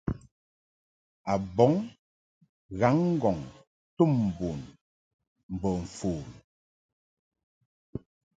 A bɔŋ ghaŋ-ŋgɔŋ tum bun mbo mfon.